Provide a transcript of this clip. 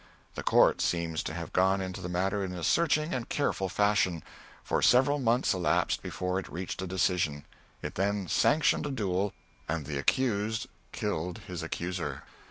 The Court seems to have gone into the matter in a searching and careful fashion, for several months elapsed before it reached a decision. It then sanctioned a duel and the accused killed his accuser.